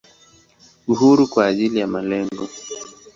Uhuru kwa ajili ya malengo.